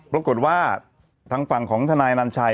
แล้วก็คือว่าทางฝั่งของทนายอนันชัย